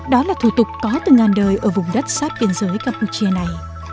đó là thủ tục có từ ngàn đời ở vùng đất sát biên giới campuchia này